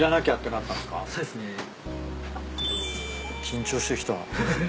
緊張してきた。